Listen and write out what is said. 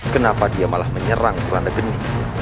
kenapa dia malah menyerang kurandagini